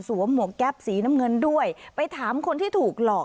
หมวกแก๊ปสีน้ำเงินด้วยไปถามคนที่ถูกหลอก